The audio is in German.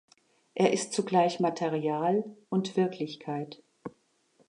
Er ist zugleich Material und Wirklichkeit.